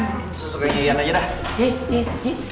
sesuka ian aja dah